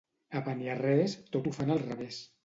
A Beniarrés, tot ho fan al revés.